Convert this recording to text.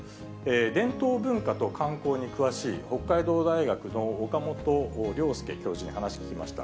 伝統文化と観光に詳しい北海道大学の岡本亮輔教授に話聞きました。